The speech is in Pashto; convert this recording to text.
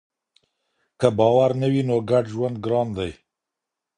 که باور نه وي نو ګډ ژوند ګران دی.